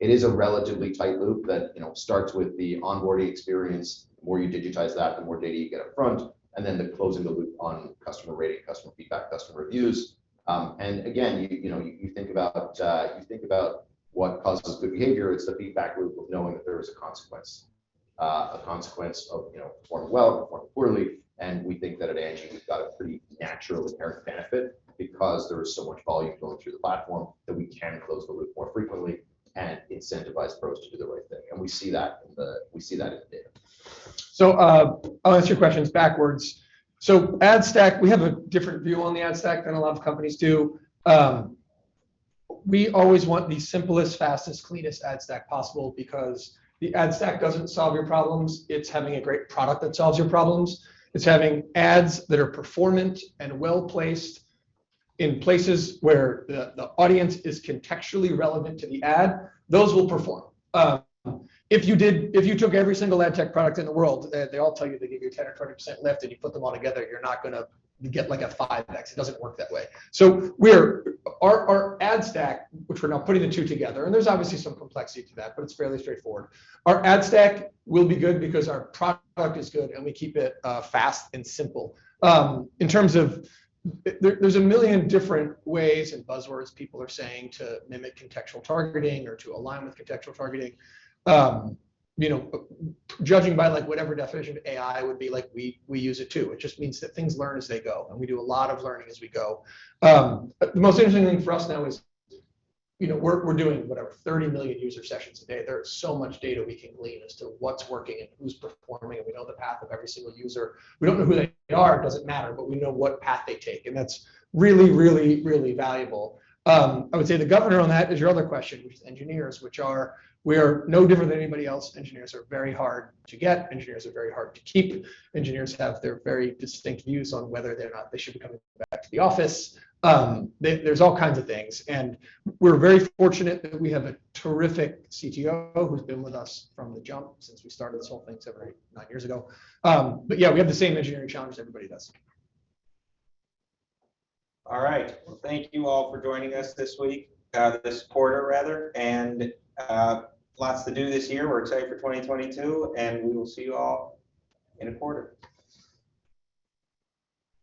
It is a relatively tight loop that, you know, starts with the onboarding experience. The more you digitize that, the more data you get up front, and then the closing the loop on customer rating, customer feedback, customer reviews. You know, you think about what causes good behavior. It's the feedback loop of knowing that there is a consequence of performing well, performing poorly, and we think that at Angi, we've got a pretty natural inherent benefit because there is so much volume going through the platform that we can close the loop more frequently and incentivize pros to do the right thing. We see that in the data. I'll answer your questions backwards. Ad stack, we have a different view on the ad stack than a lot of companies do. We always want the simplest, fastest, cleanest ad stack possible because the ad stack doesn't solve your problems. It's having a great product that solves your problems. It's having ads that are performant and well-placed in places where the audience is contextually relevant to the ad. Those will perform. If you took every single ad tech product in the world, they all tell you they give you 10% or 20% lift, and you put them all together, you're not gonna get like a 5x. It doesn't work that way. Our ad stack, which we're now putting the two together, and there's obviously some complexity to that, but it's fairly straightforward. Our ad stack will be good because our product is good, and we keep it fast and simple. There's a million different ways and buzzwords people are saying to mimic contextual targeting or to align with contextual targeting. You know, judging by like whatever definition AI would be like, we use it too. It just means that things learn as they go, and we do a lot of learning as we go. The most interesting thing for us now is, you know, we're doing whatever 30 million user sessions a day. There is so much data we can glean as to what's working and who's performing, and we know the path of every single user. We don't know who they are, it doesn't matter, but we know what path they take, and that's really valuable. I would say the governor on that is your other question, which is engineers, which are. We're no different than anybody else. Engineers are very hard to get. Engineers are very hard to keep. Engineers have their very distinct views on whether or not they should be coming back to the office. There's all kinds of things, and we're very fortunate that we have a terrific CTO who's been with us from the jump since we started this whole thing seven, eight, nine years ago. Yeah, we have the same engineering challenge as everybody does. All right. Well, thank you all for joining us this week, this quarter rather. Lots to do this year. We're excited for 2022, and we will see you all in a quarter.